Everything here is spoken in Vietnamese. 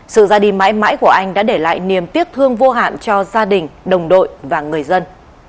sự ra đi mãi mãi của anh đã để lại niềm tiếc thương vô hạn cho gia đình đồng đội và người dân